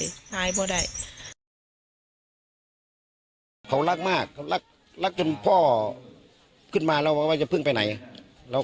ว่าได้ฮรั่งมากแล้วนักรักจึงพ่อขึ้นมาเราว่าจะเปลี่ยนไปนัยแล้ว